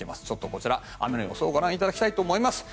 こちら、雨の予想をご覧いただきたいと思います。